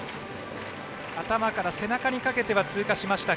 頭から背中にかけて通過しました。